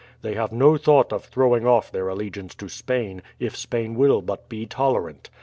They have no thought of throwing off their allegiance to Spain, if Spain will but be tolerant.